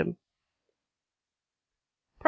PROP.